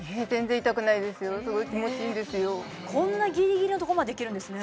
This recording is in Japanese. こんなギリギリのとこまでいけるんですね